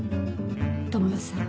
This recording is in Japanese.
智代さん。